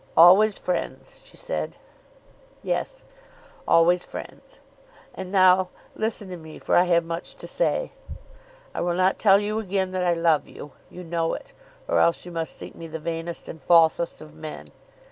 "Always friends!" she said. "Yes; always friends. And now listen to me for I have much to say. I will not tell you again that I love you. You know it, or else you must think me the vainest and falsest of men.